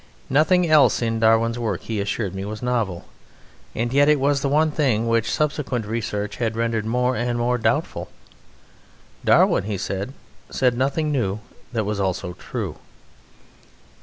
Nothing else in Darwin's work, he assured me, was novel, and yet it was the one thing which subsequent research had rendered more and more doubtful. Darwin (he said) said nothing new that was also true.